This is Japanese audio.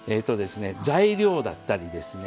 材料だったりですね